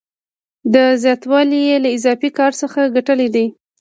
دا زیاتوالی یې له اضافي کار څخه ګټلی دی